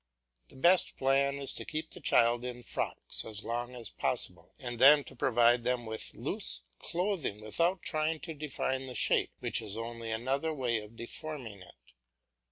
The best plan is to keep children in frocks as long as possible and then to provide them with loose clothing, without trying to define the shape which is only another way of deforming it.